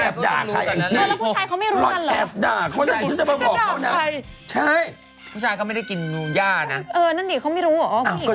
อ่ะต้างประเทศคนนึงคนนั้นนะครับมันก็ต้องรู้อยู่แล้วแน่